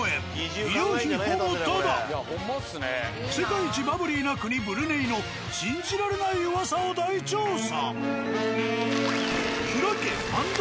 ［世界一バブリーな国ブルネイの信じられない噂を大調査］